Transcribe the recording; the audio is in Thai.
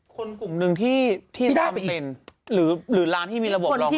คนกลุ่มหนึ่งที่ได้เห็นหรือร้านที่มีระบบรอง